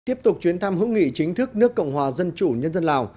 tiếp tục chuyến thăm hữu nghị chính thức nước cộng hòa dân chủ nhân dân lào